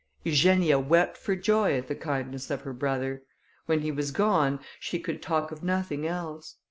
Eugenia wept for joy at the kindness of her brother. When he was gone, she could talk of nothing else.